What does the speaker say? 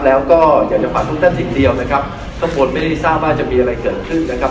แล้วก็อยากจะฝากทุกท่านนิดเดียวนะครับทุกคนไม่ได้ทราบว่าจะมีอะไรเกิดขึ้นนะครับ